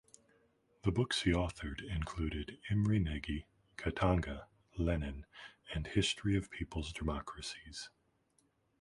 The books he authored included "Imre Nagy", "Katanga", "Lenin" and "History of People's Democracies".